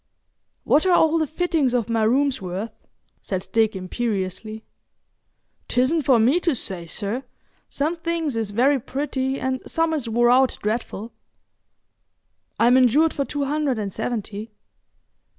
"What are all the fittings of my rooms worth?" said Dick, imperiously. "'Tisn't for me to say, sir. Some things is very pretty and some is wore out dreadful." "I'm insured for two hundred and seventy."